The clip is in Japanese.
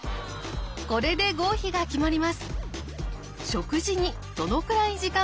これで合否が決まります。